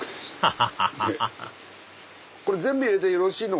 ハハハハこれ全部入れてよろしいの？